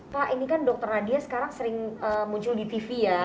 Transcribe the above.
pak ini kan dokter nadia sekarang sering muncul di tv ya